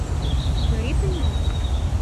Горитым мо?